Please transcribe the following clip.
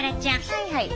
はいはい。